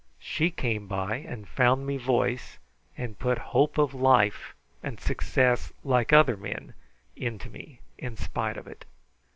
She came by, and found me voice, and put hope of life and success like other men into me in spite of it."